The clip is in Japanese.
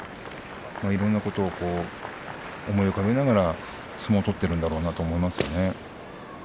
いろんなことを思い浮かべながら相撲を取っているんだろうなと思いますよね。